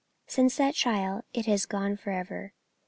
Since that trial it has gone for ever.